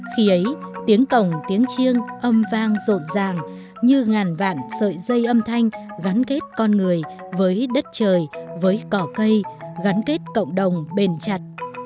khi ấy tiếng cổng tiếng chiêng âm vang rộn ràng như ngàn vạn sợi dây âm thanh gắn kết con người với đất trời với cỏ cây gắn kết cộng đồng bền chặt